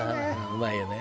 うまいよね。